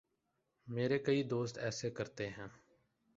میرے کئی دوست ایسے کرتے ہیں۔